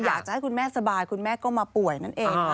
อยากจะให้คุณแม่สบายคุณแม่ก็มาป่วยนั่นเองค่ะ